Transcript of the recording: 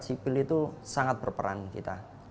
sipil itu sangat berperan kita